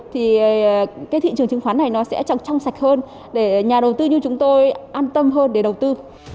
thì cái thị trường chứng khoán này nó sẽ trong sạch hơn để nhà đầu tư như chúng tôi an tâm hơn để đầu tư